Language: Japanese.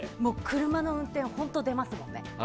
車の運転、本当出ますもんね。